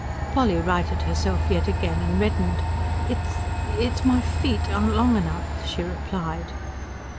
Polly righted herself yet again, and reddened. "It's my ... my feet aren't long enough," she replied.